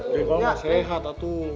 jengkol masih sehat